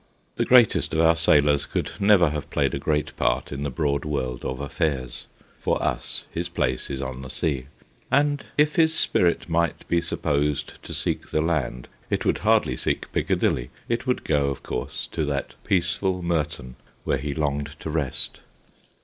The greatest of our sailors could never have played a great part in the broad world of affairs. For us his place is on the sea. And if his spirit might be supposed to seek the land, it would hardly seek Piccadilly : it would go, of course, to that peaceful Merton where he longed to rest.